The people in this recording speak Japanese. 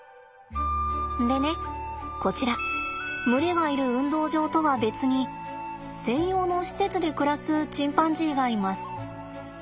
でねこちら群れがいる運動場とは別に専用の施設で暮らすチンパンジーがいます。